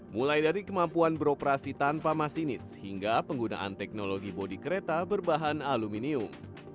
mulai dari kemampuan beroperasi tanpa masinis hingga penggunaan teknologi bodi kereta berbahan aluminium